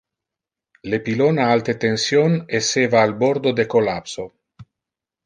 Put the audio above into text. Le pylon a alte tension esseva al bordo de collapso.